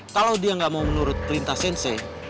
kalau dia gak mau menurut perintah sensei